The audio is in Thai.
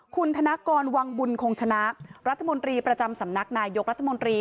คุณธนกรวังบุญคงชนะรัฐมนตรีประจำสำนักนายกรัฐมนตรี